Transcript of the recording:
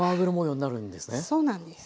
そうなんです。